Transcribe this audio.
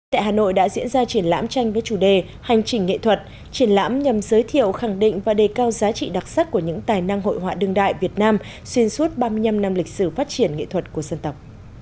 tại hà nội đã diễn ra triển lãm tranh với chủ đề hành trình nghệ thuật triển lãm nhằm giới thiệu khẳng định và đề cao giá trị đặc sắc của những tài năng hội họa đương đại việt nam xuyên suốt ba mươi năm năm lịch sử phát triển nghệ thuật của dân tộc